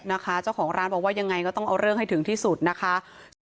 นะคะเจ้าของร้านบอกว่ายังไงก็ต้องเอาเรื่องให้ถึงที่สุดนะคะ